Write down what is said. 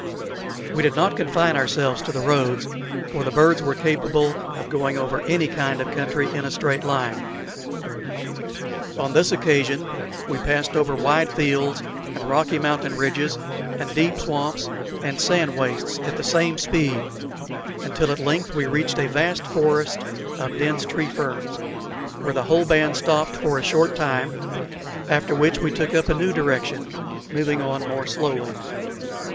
We did not confine ourselves to the roads, for the birds were capable of going over any kind of country in a straight line. On this occasion we passed over wide fields and rocky mountain ridges and deep swamps and sand wastes at the same speed, until at length we reached a vast forest of dense tree ferns, where the whole band stopped for a short time, after which we took up a new direction, moving on more slowly.